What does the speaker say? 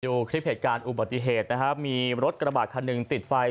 ดูคลิปเหตุการณ์อุบัติเหตุนะครับมีรถกระบาดคันหนึ่งติดไฟ